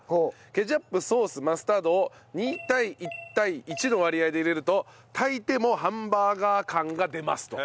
ケチャップソースマスタードを２対１対１の割合で入れると炊いてもハンバーガー感が出ますと。